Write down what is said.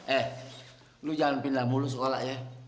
eh lu jangan pindah mulus sekolah ya